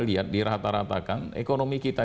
lihat dirata ratakan ekonomi kita